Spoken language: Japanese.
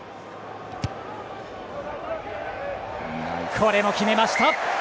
これも決めました！